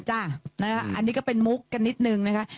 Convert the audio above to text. อันนี้ก็เป็นมุกกันนิดนึงนะคะ